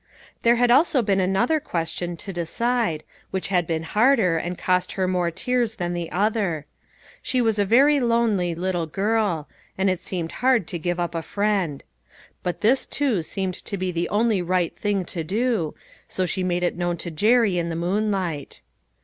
There had also been another question to de cide, which had been harder, and cost her more tears than the other. She was a very lonely lit tle girl, and it seemed hard to give up a friend. But this, too, seemed to be the only right thing to do, so she made it known to Jerry in the moonlight.